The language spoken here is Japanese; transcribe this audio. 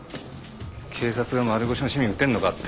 警察が丸腰の市民撃てんのかって。